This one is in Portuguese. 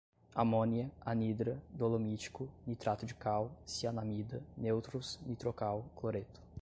amônia, anidra, dolomítico, nitrato de cal, cianamida, neutros, nitrocal, cloreto